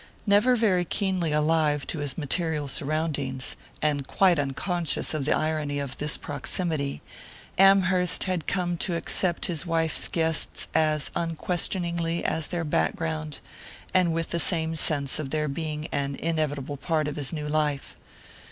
Never very keenly alive to his material surroundings, and quite unconscious of the irony of this proximity, Amherst had come to accept his wife's guests as unquestioningly as their background, and with the same sense of their being an inevitable part of his new life.